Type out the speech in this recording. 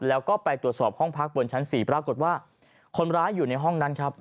แล้วก็ไปตรวจสอบห้องพักบนชั้น๔ปรากฏว่าคนร้ายอยู่ในห้องนั้นครับ